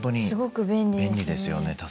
すごく便利ですよね。